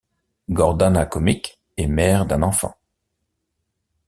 Gordana Čomić est mère d'un enfant.